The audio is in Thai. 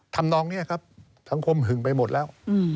ทำนองนี้ครับสังคมหึงไปหมดแล้ว